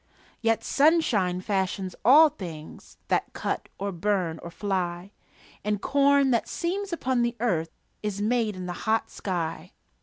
Yet sunshine fashions all things That cut or burn or fly; And corn that seems upon the earth Is made in the hot sky.